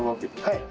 はい。